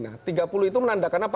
nah tiga puluh itu menandakan apa